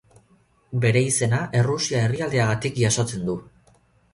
Bere izena, Errusia herrialdeagatik jasotzen du.